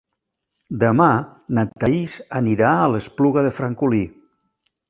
Demà na Thaís anirà a l'Espluga de Francolí.